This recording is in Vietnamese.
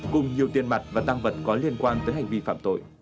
cùng nhiều tiền mặt và tăng vật có liên quan tới hành vi phạm tội